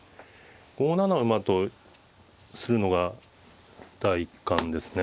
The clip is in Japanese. ５七馬とするのが第一感ですね。